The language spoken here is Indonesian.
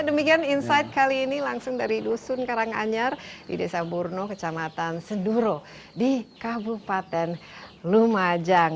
demikian insight kali ini langsung dari dusun karanganyar di desa burno kecamatan seduro di kabupaten lumajang